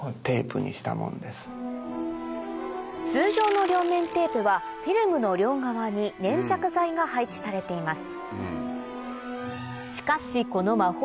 通常の両面テープはフィルムの両側に粘着剤が配置されています